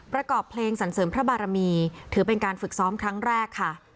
ประกอบเพลงสรรเสริมพระบารมีถือเป็นการฝึกซ้อมครั้งแรกค่ะ